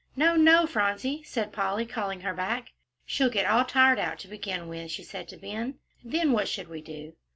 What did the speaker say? "No, no, Phronsie," said Polly, calling her back. "She'll get all tired out to begin with," she said to Ben, "then what should we do?"